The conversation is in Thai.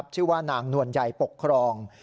ชื่อว่านางนวลใยปกครอง